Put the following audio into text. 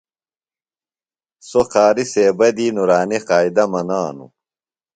سوۡ قاریۡ صیبہ دی نورانیۡ قائدہ منانوۡ۔